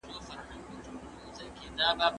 د ښه خلکو شتون د امن او امان نښه ده.